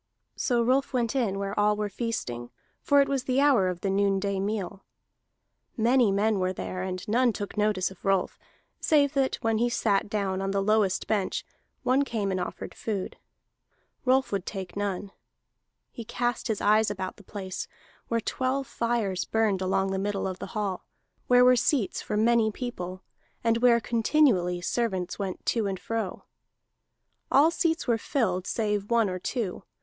So Rolf went in where all were feasting, for it was the hour of the noonday meal. Many men were there, and none took notice of Rolf, save that when he sat down on the lowest bench one came and offered food. Rolf would take none. He cast his eyes about the place, where twelve fires burned along the middle of the hall, where were seats for many people, and where continually servants went to and fro. All seats were filled save one or two.